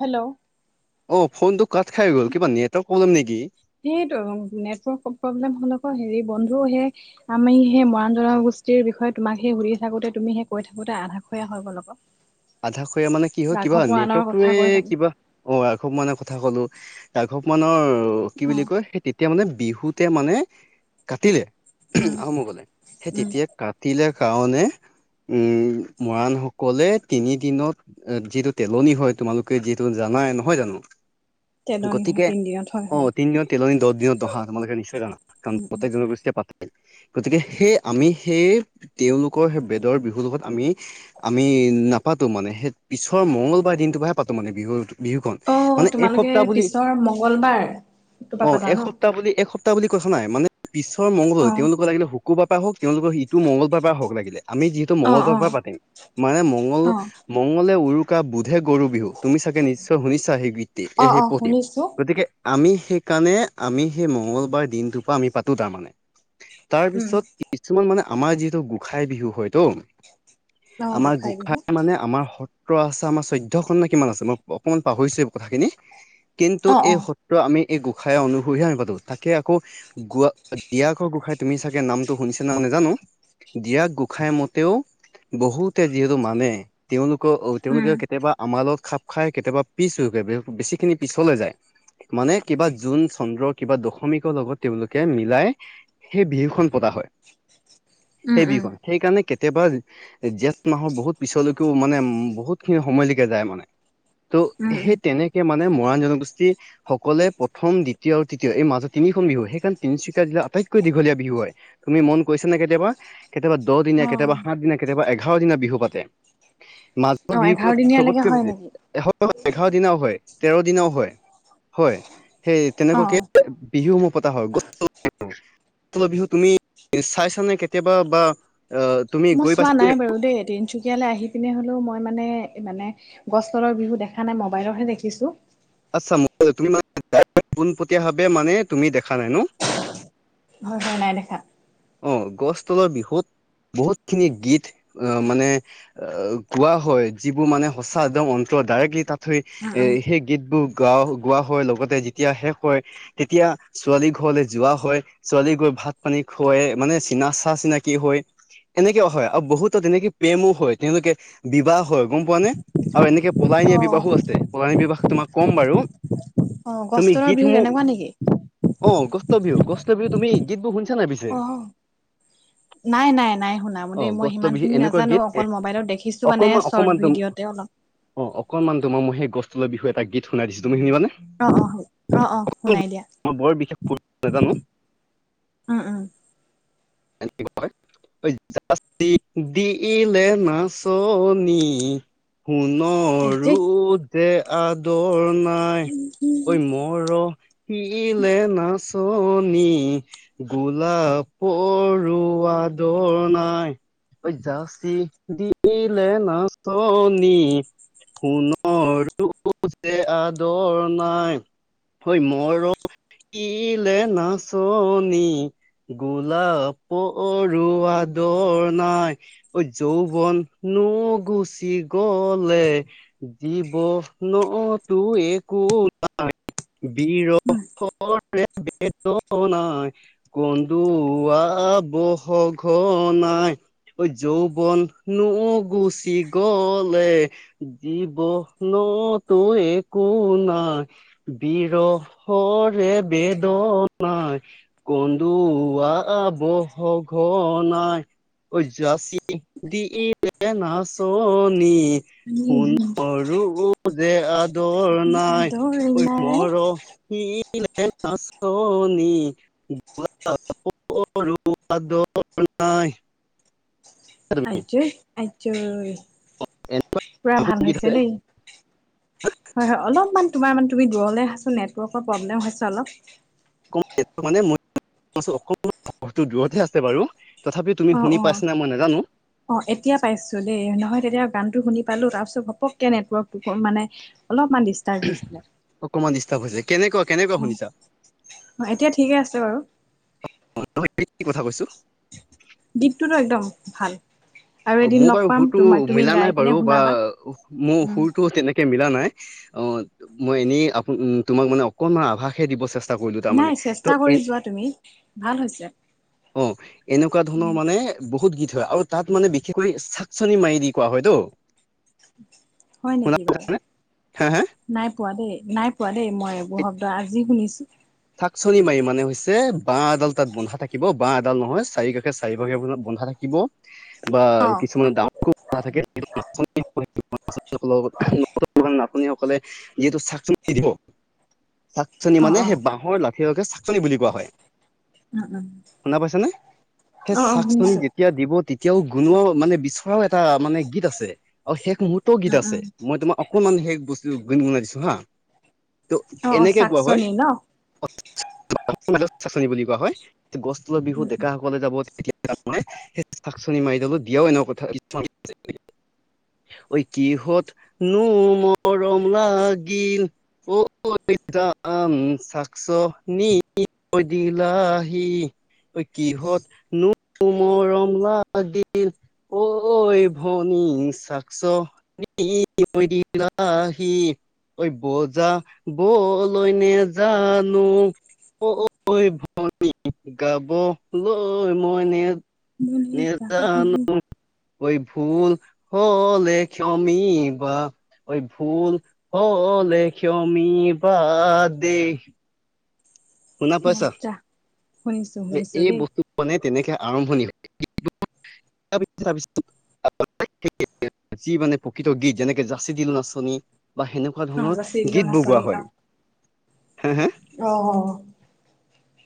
Hello, অহ, phone টো কাট খাই গ'ল। কিবা নেটৱৰ্ক প্ৰব্লেম নেকি। সেইটো নেটৱৰ্ক প্ৰব্লেম হ'লে ক হেৰি বন্ধু সেই আমি সেই মৰাণ জনগোষ্ঠীৰ বিষয়ে তোমাক সেই সুধি থাকোতে তুমি সেই কৈ থাকোতে আধা খৈয়া হৈ গল আক অহ। অধাখৈয়া মানে কি হয়। কিবা নেটৱৰ্কতোৱে কৈ থাকি কিবা। অহ, ৰাঘৱ মৰাণৰ কথা কলো ৰাঘৱ মৰাণৰ কি অ বুলি কয়। তেতিয়া মানে বিহুতে মানে কাটিলে উম আহোম সকলে সেই উম তেতিয়াই কাটিলে কাৰণে উম মৰাণসকলে তিনি দিনত যিটো তেলনি হয় তোমালোকে যিটো জানাই নহয় জানো? তেলনী গতিকে তিনিদিনত অ অ তিনি দিন তেলনী দহ দিনত দহা তোমালোকে নিশ্চয় জানা কাৰণ উম উম। প্ৰত্যেক জনগোষ্ঠীয়ে পাতে গতিকে সেই আমি সেই তেওঁলোকৰ সেই বেদৰ বিহুৰ লগত আমি। আমি নাপাতো মানে সেই পিছৰ মঙ্গলবাৰ দিনটোপাহে পাতো মানে বিহু। বিহুখন অ মানে তোমালোকে এসপ্তাহ বুলি পিছৰ মংগলবাৰ টোপা অহ পাতা ন? এসপ্তাহ বুলি। বুলি কথা নাই মানে পিছৰ মঙল অ তেওঁলোক লাগিলে শুকো শুকুৰবাৰৰ পৰা হওক তেওঁলোকৰ ইটো মঙ্গলবাৰ পৰাই হওক লাগিলে আমি যিহেতু অ মঙলবাৰৰ অ পৰা পাতিম মানে মংগল অ মঙললে উৰুকা বুধে গৰু বিহু। তুমি চাগে নিশ্চয় শুনিছা সেই গীত অ এই অ সেই পঢ়িম শুনিছো। গতিকে। আমি সেইকাৰণে আমি সেই মঙ্গলবাৰ দিনটোৰ পৰা আমি পাতোঁ তাৰমানে। তাৰ উম পিছত কিছুমান মানে আমাৰ যিহেতু গোসাই বিহু হয়তো। অ আমাৰ গোঁসাই গোসাঁই বিহু মানে আমাৰ সত্ৰ আছে আমাৰ চৈধ্য খন নে কিমান আছে মই অকমান পাহৰিছো এই কথাখিনি। কিন্তু অ অ এই সত্ৰ আমি এই গোঁসাই অনুসৰিহে আমি পাতো। তাকে আকৌ দিৰাকৰ গোঁসাই তুমি চাগে নামটো শুনিছা নে নাই নাজানো। ডিৰাক গোসাই মতেও বহুতে যিহেতু মানে। তেওঁলোকক অহ, উম তেওঁলোকে কেতিয়াবা আমাৰ লগত খাপ। খাই কেতিয়াবা পিছ হৈ বেছিখিনি পিছলে যায়। মানে কিবা জোন- চন্দ্ৰ কিবা দশমিকৰ লগত তেওঁ লোকে মিলাই। সেই বিহুখন পতা হয়। উম সেই উম বিহুখন সেইকাৰণে কেতিয়াবা জেঠ মাহৰ বহুত। পিছলৈকো মানে বহুত খিনি সময়লৈকে যায় মানে ত উম উম। সেই তেনেকে। মানে মৰাণ জনগোষ্ঠী। সকলে প্ৰথম দ্বিতীয় আৰু তৃতীয় এই মাজত তিনিখন বিহু সেইকাৰণ তিনিচুকীয়া জিলা আটাইতকৈ দীঘলীয়া বিহু হয়। তুমি মন কৰিছা নে কেতিয়াবা কেতিয়াবা দহ দিনা অ কেতিয়াবা সাত দিনা কেতিয়াবা এঘাৰ দিনা বিহু পাতে। অ মাজৰ বিহু এঘাৰ খনত দিনীয়ালৈকে চবতকে হয় বেছি নেকি? এ সপ্ত এঘাৰ দিনাও হয় তেৰ দিনাও হয়। হয় সেই তেনেকুৱা কে। অ বিহু পতা হয় গছতলৰ বিহু গছ তলৰ বিহু তুমি চাইছানে? কেতিয়াবা বা অ তুমি মই গৈ পাইছা চোৱা নাই বাৰু দেই! তিনচুকীয়ালে আহি তেনে হ'লেও মই মানে মানে গছ তলৰ বিহু দেখা নাই! মোবাইলৰ হে দেখিছো। আচ্ছা মোবাইলত, তুমি মানে ডাইৰেক্ট পোনপটীয়া ভাৱে মানে তুমি দেখা নাই ন। হয়, হয়, নাই দেখা! অ গছ তলৰ বিহুত বহুত খিনি গীত অ মানে গোৱা হয়! যিবোৰ মানে সঁচা একদম অন্তৰ ডাইৰেক্টলি তাত থৈ উম এ উম। সেই গীতবোৰ গা গোৱা হয় লগতে যেতিয়া শেষ হয় তেতিয়া ছোৱালী ঘৰলৈ যোৱা হয়, ছোৱালী গৈ ভাত পানী খোৱাই! মানে চিনা চা চিনাকি হয় এনেকে হয়, আৰু বহুতত এনেকে প্ৰেমো হয়, তেওঁলোকে বিবাহ হয়, গম পোৱা নে? আৰু এনেকে পলাই নিয়া অ' বিবাহো আছে! পলাই নিয়া বিবাহ তোমাক ক'ম বাৰু অ' গছ তুমি তলৰ বিহু গীতসমূহ তেনেকুৱা নেকি? অ গছ তলৰ বিহু গছ তলৰ বিহু তুমি গীতবোৰ শুনিছা নাই পিছে? অ'। নাই, নাই, নাই শুনা, ম অ দেই মই গস্ত বিহু সিমানখিনি এনেকুৱা নাজানো গীত অকল মোবাইলত দেখিছোঁ মানে চৰ্ট ভিডিঅ'ত। [unintelligible] অকনমান তোমাক মই সেই গছ তলৰ বিহু এটা গীত শুনাই দিছো! তুমি শুনিবানে? অ, অ, অ, অ শুনাই দিয়া মই বৰ বিশেষ সুৰ নাজানো উম, উম! [unintelligible] অই যাচি দিলে নাচনি আইজৈ সোণৰু যে আদৰ নাই। ঐ মই মৰহিলে নাচনী গোলাপৰো আদৰ নাই! অই, যাচি দিলে নাচনী সোণৰো যে আদৰ নাই। অই, মৰম দিলে নাচনী! গোলাপৰো আদৰ নাই। ঐ, যৌৱননো গুচি গলে! জীৱ নতো একো নাই বিৰহৰে বেদনাই, কন্দুৱাব সঘনাই! ঐ যৌৱননো গুচি গলে জীৱনতো একো নাই। বিৰহৰে বেদনাই কন্দুৱাব সঘনাই। ঐ, যাচি দিলে নাচনী সোণৰো যে আদ দৰ নাই! আদৰি ঐ, নাই মৰহি দিলে নাচনী, গোলাপৰো আদৰ নাই! আজৈ, আজৈ পুৰা ভাল হৈছে দেই। হয়, হয় অলপমান তোমাৰ মানে তুমি দূৰলৈ আহাচুন নেটৱৰ্কৰ প্ৰব্লেম হৈছে অলপ। [unintelligible] তথাপি তুমি অ', শুনি অ'। পাইছা নে! মই নাজানো। অ, এতিয়া পাইছো দেই নহয় তেতিয়া গানতো শুনি পালো তাৰপিছত ঘপকে নেটৱৰ্কটো মানে অলপমান দিছ অকণমান ডিষ্টাৰ্ব হৈছে! কেনেকুৱা কেনেকুৱা শুনিছা? ভাইটিয়ে ঠিকে আছে বাৰু নহয় নহয় কি কথা কৈছো দ্বীপটোতো একদম ভাল আৰু অ এদিন মোৰ লগ বাৰু পাম সুৰতো তোমাৰ তুমি মিলা নাই গাই পিনে বাৰু বা শুনাবা। মোৰ উম, সুৰতো তেনে কে নাই অ মই এনেই আ তোমাক মানে অকমাণ আভ্য দিব চেষ্টা কৰিলো তাৰমানে নাই ত চেষ্টা কৰি যোৱা তুমি ভাল হৈছে অহ এনেকুৱা উম, ধৰণৰ মানে বহুত গীত হয় আৰু তাত মানে বিশেষকৈ চাকচনি মাৰি দি গোৱা হয় তো হয় নেকি বাৰু নে হা হা নাই পোৱা দেই নাই পোৱা দেই মইবোৰ শব্দ আজি শুনিছোঁ চাকচনি মাৰি মানে হৈছে বাঁহ এডাল তাত বন্ধা থাকিব বাঁহ এডাল নহয় চাৰি কাষে চাৰি কাষে বন্ধা থাকিব বা অ', কিছুমানে ডাঙৰকো বন্ধা থাকে নাটনি সকলে [unintelligible] যিহেতু চাকচনি দি দিব চাকচনি অ', মানে অ'। সেই বাঁহৰ লাঠী ডালক চাকচনি বুলি কোৱা হয় উম, উম, শুনা পাইছা নে সেই অ', অ', চাকচনি দি শুনিছোঁ তেতিয়া দিব তেতিয়াও গুণোৱাও মানে বিচৰাও এটা মানে গীত আছে আৰু শেষ মুহুৰ্ত বহুতো গীত উম, আছে উম, মই তোমাৰ অকণমান সেই বস্তুতো গুণ গুণাই দিছো হা ত' অ', অ', এনেকে কোৱা হয় চাকচনি ন? অসমীয়া মাধ্যমত চাচনি বুলি কোৱা হয় গছ তলৰ বিহু ডেকা সকল কলে যাব তেতিয়া তাৰ মানে চাকচনি মাৰি বিয়াও এনেকুৱা কথা ঐ কিহত নো মৰম লাগিল অহ অহ তিতাম চাচনি ঐ দিলাহি ঐ কিহত নো মৰম লাগিল ঐ ভনী চাকচ নি ঐ দিলা সি ঐ বজা বলৈ নেজানো ঐ ঐ ভনী গাবলৈ মই নে উম, নেজানো উম, নো ঐ ভুল হ'লে ক্ষমি বা ঐ ভুল হ'লে ক্ষমি বা দেই শুনা পাইছা মজা শুনিছো শুনিছো এই দেই বস্তুখনে তেনেকে আৰম্ভণি হয় কিন্তু [unintelligible] যি মানে প্ৰকৃত গীত যেনেকে যাঁচি দিলো নাচনী বা সেনেকুৱা ধৰণৰ নহজা চিৰিলো গীত বোৰ গোৱা নাচনী হয় হে হে অহ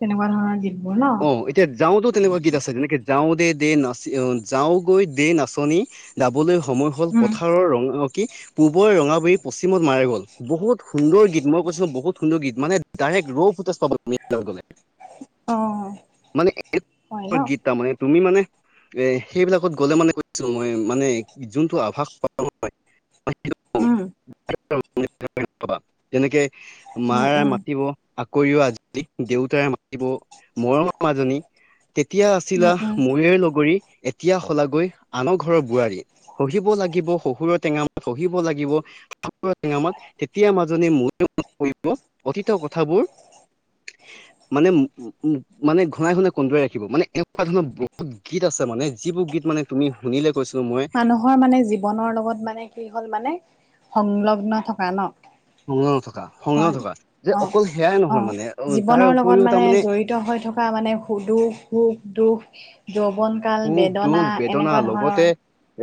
তেনেকুৱা ধৰণৰ গীত অহ এতিয়া যাওঁতো তেনেকুৱা গীত আছে যেনেকে যাওঁ দে দে নাচি অহ যাওঁ গৈ দে নাচঁনি যাবলৈ সময় হ'ল উম, পথাৰৰ অহ ৰঙ কি পূৱেই ৰঙাবৰি পশ্চিমত মাৰে গ'ল বহুত সুন্দৰ গীত মই কৈছো বহুত সুন্দৰ গীত মানে ডাইৰেক্ট ৰৌ ফৌটেজ পাবা তুমি এই বিলাক গলে অহ মানে এনেকুৱা গীত তাৰ মানে এইটো তুমি মানে এ সেইবিলাকত গ'লে মানে কৈ দিছো মই মানে যোনটো আভাস পা পিবা পাৰে মই কিন্তু বহুত উম, যেনেকে উম, মাৰাই উম, মাতিব আকৰিও আজি [unintelligible] দেউতাৰে মাতিব মৰমৰ মাজনী [unintelligible] তেতিয়া আছিলা উম, উম, মোৰে লগৰী, এতিয়া হলা গৈ আনৰ ঘৰৰ বোৱাৰী। শহিব লাগিব শহুৰৰ টেঙা মাত, শহিব লাগিব [unintelligible] টেঙা মাত, তেতিয়া মাজনী মোলে মনত পৰিব অতীতৰ কথাবোৰ মানে [unintelligible] [unintelligible] মানে ঘনাই-ঘনাই কুন্দুৱাই ৰাখিব মানে এনেকুৱা ধৰণৰ বহুত গীত আছে মানে যিবোৰ গীত মানে তুমি শুনিলে কৈছিলো মই [unintelligible] মানে জীৱনৰ লগত মানে কি হ'ল মানে সংলগ্ন থকা ন। সংলগ্ন থকা, সংলগ্ন হয়। থকা, যে অ', অকল সেয়াই নহয় অ', মানে তাৰ জীৱনৰ লগত উপৰিও মানে তাৰমানে হৈ জড়িত থকা মানে দুখ, সুখ, দুখ, যৌৱন কাল, সুখ, বেদনা দুখ, বেদনা এনেকুৱা ধৰণৰ। লগতে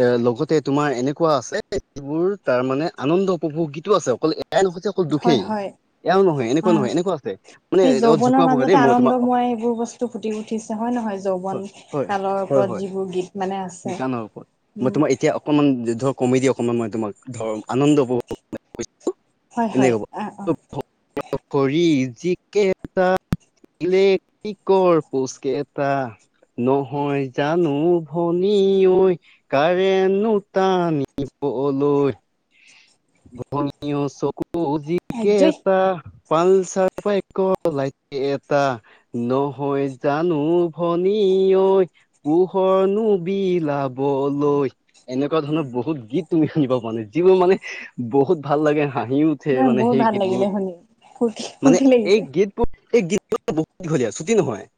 এ লগতে তোমাৰ এনেকুৱা আছে যিবোৰ তাৰ মানে আনন্দ উপভোগ গীতটো আছে, অকল এয়াই নহয় যে অকল দুখেই হয়-হয়। এয়াও নহয় এনেকুৱা উম। নহয় এনেকুৱা আছে মানে সেই অ জোকোৱা যৌৱনৰ পোকা দেই মাজতে মই তোমাক আনন্দময় এইবোৰ বস্তু টো ফুটি উঠিছে হয় নহয় যৌৱন হয় হয় কালৰ হয় [unintelligible] লগ হয় যিবোৰ গীত মানে আছে গানৰ ওপৰত [inaudible] মই উম। তোমাৰ এতিয়া অকণমান ধৰ কমেডি অকণমান মই তোমাক ধৰ আনন্দ উপভোগ [unintelligible] হয় [unintelligible] এনে হয় ক'ব। অ অ [unintelligible] কৰি যিকেইটা ইলেট্ৰিকৰ পোচকেইটা ন [unintelligible] নহয় জানো ভনী ঐ [unintelligible] কাৰেণ্ট নো তানিবলৈ [unintelligible] ভনী অ চকু আজৰি যিকেইটা [unintelligible] পালচাৰ বাইকৰ লাইটকেইটা [unintelligible] নহয় জানো ভনী ঐ [unintelligible] পোহৰনো বিলাবলৈ এনেকুৱা ধৰণৰ বহুত গীত তুমি শুনিব পোৱা নাই যিবোৰ মানে বহুত ভাল লাগে, হাঁহিও [unintelligible] উঠে মানে বহুত সেই ভাল গীতবোৰ লাগিলে শুনি ফূৰ্তি মানে ফূৰ্তি এই লাগিছে গীত [unintelligible] এই গীতবোৰ বহুত দীঘলীয়া ছুটি নহয়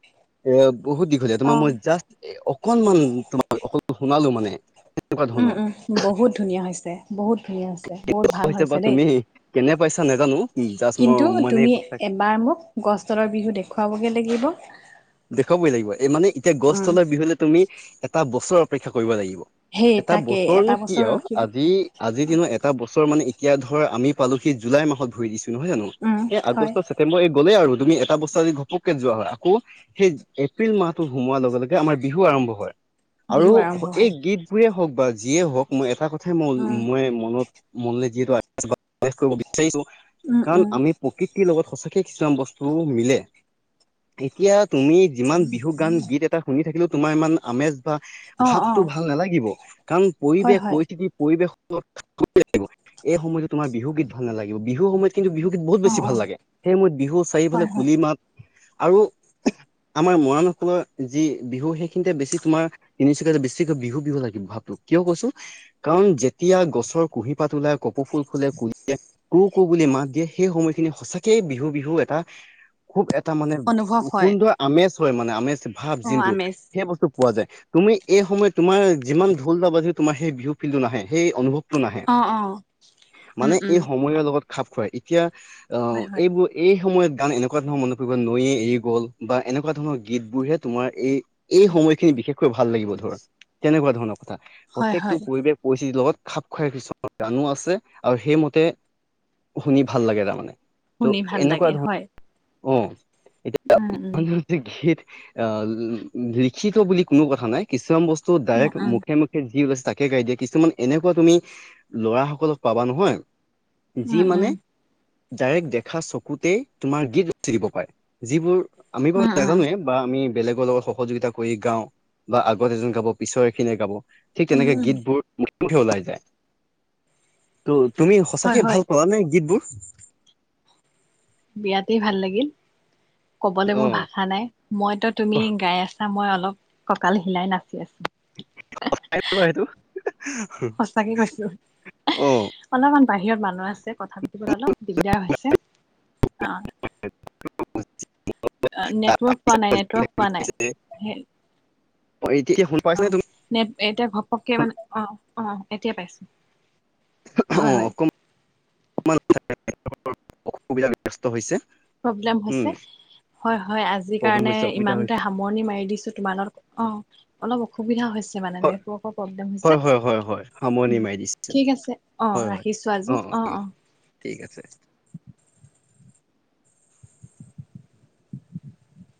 এ বহুত দীঘলীয়া অ তোমাক মই জাষ্ট এ অকনমান তোমাক অকল শুনালো মানে [unintelligible] উম-উম বহুত ধুনীয়া হৈছে, বহুত ধুনীয়া হৈছে, বহুত ভাল বা হৈছে দেই। তুমি [inaudible] কেনে পাইছা নাজানো? [unintelligible] মই কিন্তু মানে তুমি কথা এবাৰ মোক গছ তলৰ বিহু দেখুৱাবগৈ লাগিব। [unintelligible] দেখুৱাবই লাগিব, এই মানে এতিয়া গছ উম তলৰ বিহুলৈ তুমি এটা বছৰ অপেক্ষা কৰিব লাগিব। [unintelligible] সেই এটা তাকে বছৰনো এটা কি বছৰ আৰু ৰখিম আজি আজিৰ দিনত এটা বছৰ মানে এতিয়া ধৰ আমি পালোহি জুলাই মাহত ভৰি দিছো নহয় জানো [unintelligible] উম এই হয় আগষ্ট, ছেপ্তেম্বৰ এই গ'লেই আৰু তুমি এটা বস্তু আদি ঘপককে যোৱা হয় আকৌ [unintelligible] সেই এপ্ৰিল মাহটো সোমোৱাৰ লগে-লগে আমাৰ বিহু আৰম্ভ হয়, আৰু বিহু আৰম্ভ এই হয় গীত গীতবোৰেই হওক বা যিয়ে হওক মই এটা কথাই উম মই-মই মনত [inaudible] মনলে যিহেতু আহি [unintelligible] প্ৰকাশ কৰিব বিচাৰিছো উম কাৰণ উম আমি প্ৰকৃতিৰ লগত সঁচ সঁচাকে কিছুমান বস্তু মিলে, এতিয়া তুমি যিমান বিহু গান গীত এটা [unintelligible] শুনি থাকিলো তোমাৰ ইমান আমেজ [unintelligible] অ অ ভাৱটো ভাল নালাগিব কাৰণ হয় পৰিৱেশ, হয় পৰিস্থিতি পৰিৱেশ [unintelligible] এই সময়তো তোমাৰ বিহু গীত ভাল নালাগিব, বিহু সময়ত কিন্তু বিহু বহুত অ বেছি ভাল অ লাগে সেয়ে মই বিহু চাৰিফালে হয় হয়। কুলি মাত আৰু আমাৰ মৰাণসকলৰ যি বিহু সেইখিনিতে বেছি তোমাৰ তিনিচুকীয়াতে বেছিকৈ বিহু বিহু লাগিব ভাৱটো কিয় কৈছো কাৰণ যেতিয়া গছৰ কুঁহি পাত ওলাই কপৌ ফুল ফুলে, কুলিয়ে কু কু বুলি মাত দিয়ে সেই সময়খিনি সঁচাকেই বিহু বিহু এটা খুব এটা মানে অনুভৱ হয় কোনটোৱে আমেজ হয় মানে আমেজ ভাৱ অ যোনটো আমেজ সেই বস্তু পোৱা যায় তুমি এই সময়ত তোমাৰ যিমান ঢোলা বাজি তোমাৰ সেই বিহু ফিল্ডটো নাহে সেই অনুভৱ টো নাহে অ অ উম মানে উম। এই সময়ৰ লগত খাপ খুৱাই এতিয়া আহ হয় হয়। এইবোৰ এই সময়ত গান এনেকুৱা ধৰণৰ মনত পৰিব নৈয়ে এৰি গ'ল বা এনেকুৱা ধৰণৰ গীতবোৰহে তোমাৰ এই এই সময়খিনি বিশেষকৈ ভাল লাগিব ধৰ তেনেকুৱা ধৰণৰ কথা হয় প্ৰত্যেকটো হয় পৰিৱেশ পৰিস্থিতি লগত খাপ খোৱাই কিছুমান গানো আছে আৰু সেইমতে শুনি ভাল লাগে তাৰমানে ত' শুনি ভাল এনেকুৱা লাগে হয় ধৰণৰ অ উম উম। এতিয়া গীত আহ লিখিত বুলি কোনো কথা নাই কিছুমান বস্তু উম ডাইৰেক্ট উম মুখে মুখে যি ওলাইছে তাকে গাই দিয়ে কিছুমান এনেকুৱা তুমি ল'ৰা সকলক পাবা নহয় যি উম মানে উম ডাইৰেক্ট দেখা চকুতেই তোমাৰ গীত ৰচি দিব পাৰে যিবোৰ আমি বাৰু উম উম নাজানোয়ে বা আমি বেলেগৰ লগত সহযোগিতা কৰি গাওঁ বা আগত এজন গাব পিছৰ এখিনিয়ে গাব ঠিক উম তেনেকে উম গীতবোৰ মুখে মুখে ওলাই যায়। ত তুমি হয় সঁচাকে হয়। ভাল পালা নে গীতবোৰ বিৰাতেই ভাল লাগিল কবলে অ মোৰ ভাষা নাই মইতো তুমি গাই আছা মই অলপ কঁকাল হিলাই নাচি আছো [unintelligible] সচাই নে বাৰু সেইটো সঁচাকে কৈছো অ অলপমান বাহিৰত মানুহ আছে কথা পাতিবলে অলপ দিগদাৰ হৈছে অ' এতিয়া নেটৱৰ্ক পোৱা নাই নেটৱৰ্ক পোৱা নাই অ' এতিয়া শুনি পাইছা নে তুমি নেপ এতিয়া ঘপককে মানে অ' অ' এতিয়া পাইছো হয় অ' হয় অকমান অসুবিধা ব্যস্ত হৈছে প্ৰব্লেম উম হৈছে হয় হয় আজি প্ৰব্লেম কাৰণে হৈছে অসুবিধা ইমানতে হৈছে সামৰণি মাৰি দিছো তোমাৰো অ' অলপ অসুবিধা হৈছে হয় নেটৱৰ্কৰ প্ৰব্লেম হয় হৈছে হয় হয় হয় সামৰণি উম মাৰি দিছো ঠিক আছে অ হয় ৰা হয় খিছোঁ আজি অ' ঠিক অ' আছে ঠিক আছে।